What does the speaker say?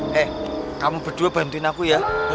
hai kamu berdua bantuin aku ya